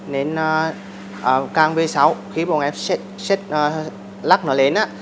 nên càng về sau khi bọn em lắc nó lên á